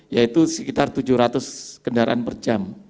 yaitu sekitar tujuh ratus kendaraan per jam